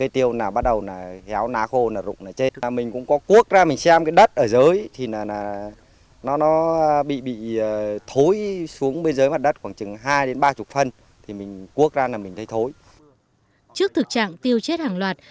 trước khi tiêu chết hàng loạt